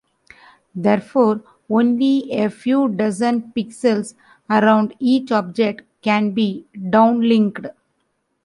Therefore, only a few dozen pixels around each object can be downlinked.